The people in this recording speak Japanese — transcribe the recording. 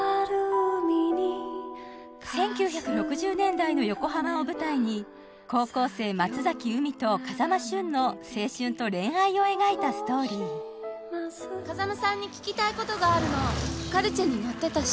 １９６０年代の横浜を舞台に高校生松崎海と風間俊の青春と恋愛を描いたストーリー風間さんに聞きたいことがあるのカルチェにのってたし